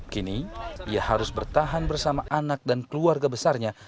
kini ia harus bertahan bersama anak dan keluarga besarnya